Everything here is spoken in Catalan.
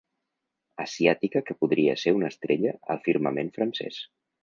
Asiàtica que podria ser una estrella al firmament francès.